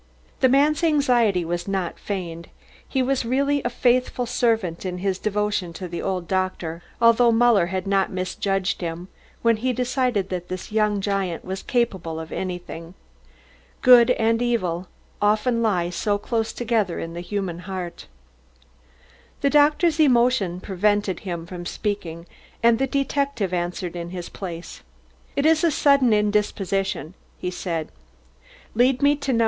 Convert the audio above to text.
The man's anxiety was not feigned. He was really a faithful servant in his devotion to the old doctor, although Muller had not misjudged him when he decided that this young giant was capable of anything. Good and evil often lie so close together in the human heart. The doctor's emotion prevented him from speaking, and the detective answered in his place. "It is a sudden indisposition," he said. "Lead me to No.